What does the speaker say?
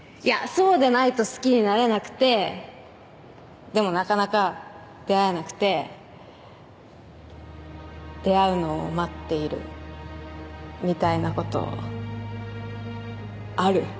そうでないと好きになれなくてでもなかなか出会えなくて出会うのを待っているみたいなことある？